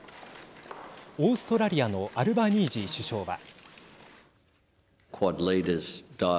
オーストラリアのアルバニージー首相は。